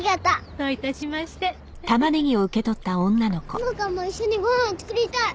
穂花も一緒にご飯作りたい！